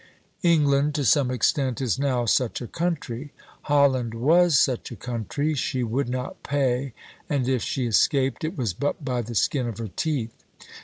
England to some extent is now such a country. Holland was such a country; she would not pay, and if she escaped, it was but by the skin of her teeth.